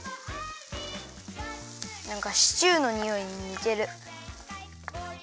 なんかシチューのにおいににてる。